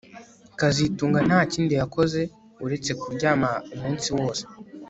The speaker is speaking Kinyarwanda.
kazitunga nta kindi yakoze uretse kuryama umunsi wose